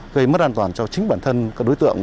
gây mất an toàn cho chính bản thân các đối tượng